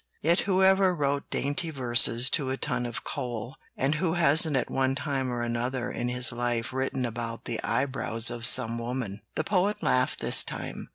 Yet who ever wrote dainty verses to a ton of coal, and who hasn't at one time or another in his life written about the eyebrows of some woman?" The Poet laughed this time.